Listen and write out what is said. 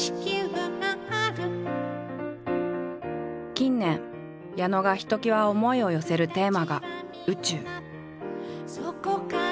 近年矢野がひときわ思いを寄せるテーマが「宇宙」。